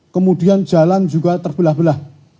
kemudian jalan juga terbelah belah